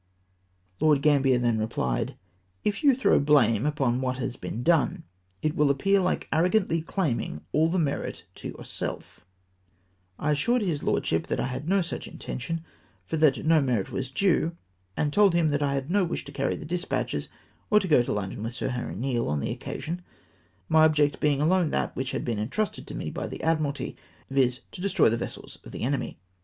Lord Gambler then rephed, " If you throw blame upon what has been done^ it will afpear like arrogantly claiming all the merit to yourself.'" I assured his lordsliip that I had no such intention, for that no merit was due, and told him that I had no wish to carry the despatches, or to go to London with Sir Harry Neale on the occasion, my object being alone that which had been entrusted to me by the Admu^alty, viz. to destroy the vessels of the enemy.